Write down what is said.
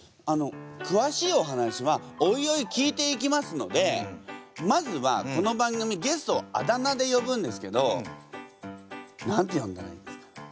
あのくわしいお話はおいおい聞いていきますのでまずはこの番組ゲストをあだ名で呼ぶんですけど何て呼んだらいいですか？